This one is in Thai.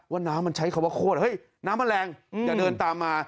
ว่าน้ำมันใช้คำว่าโคตรเฮ้ยน้ำมันแรงอย่าเดินตามมา